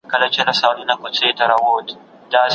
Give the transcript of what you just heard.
که تاریخي واقعیت په پام کي ونیسئ څېړنه مو رښتینې ده.